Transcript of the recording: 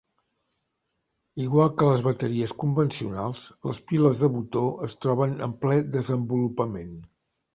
Igual que les bateries convencionals, les piles de botó es troben en ple desenvolupament.